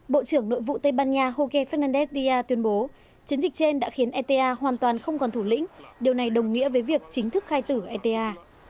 bộ trưởng nội vụ tây ban nha joge fernandez dia tuyên bố chiến dịch trên đã khiến eta hoàn toàn không còn thủ lĩnh điều này đồng nghĩa với việc chính thức khai tử fta